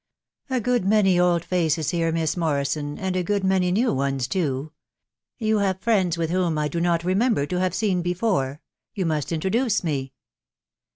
*'" A good many old faces here, Miss Morrison, and a good many new ones too. You have friends with you whom I dt not remember to have seen before. ..• You must introduce me."